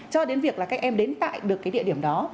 cho đến việc là các em đến tại được cái địa điểm đó